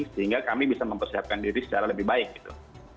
sehingga kami bisa mempersiapkan diri secara lebih baik gitu